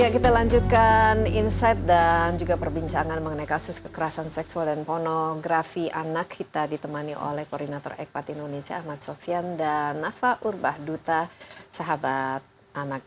kita lanjutkan insight dan juga perbincangan mengenai kasus kekerasan seksual dan pornografi anak kita ditemani oleh koordinator ekpat indonesia ahmad sofian dan nafa urbah duta sahabat anak